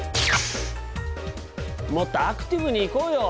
もっとアクティブにいこうよ！